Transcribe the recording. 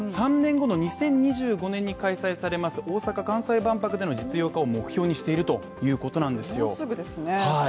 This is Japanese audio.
３年後の２０２５年に開催されます大阪万博での実用化を目標にしているということなんですよ。